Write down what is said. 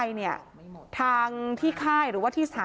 มีแต่เสียงตุ๊กแก่กลางคืนไม่กล้าเข้าห้องน้ำด้วยซ้ำ